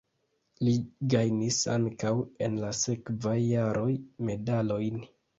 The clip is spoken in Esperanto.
Li gajnis ankaŭ en la sekvaj jaroj medalojn.